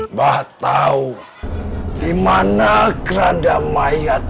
mbah tau dimana kerangga mainnya